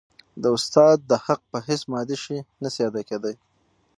د استاد د حق په هيڅ مادي شي نسي ادا کيدای.